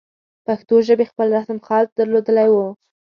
پښتو ژبې خپل رسم الخط درلودلی وو.